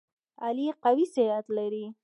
علي قوي صحت لري.